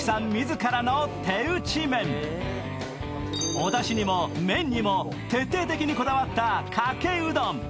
おだしにも麺にも徹底的にこだわった、かけうどん。